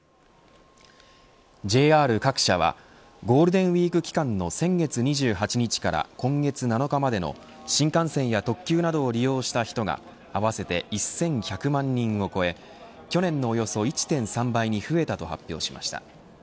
ＪＲ各社はゴールデンウイーク期間の先月２８日から今月７日までの新幹線や特急などを利用した人が合わせて１１００万人を超え去年のおよそ１．３倍に増えたと発表しました。